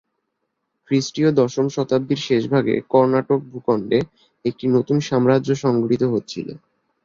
খ্রিস্টীয় দশম শতাব্দীর শেষভাগে কর্ণাটক ভূখণ্ডে একটি নতুন সাম্রাজ্য সংগঠিত হচ্ছিল।